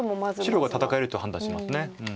白が戦えると判断してます。